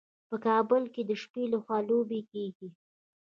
په کابل کې د شپې لخوا لوبې کیږي.